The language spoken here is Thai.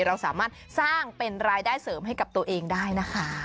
เราสามารถสร้างเป็นรายได้เสริมให้กับตัวเองได้นะคะ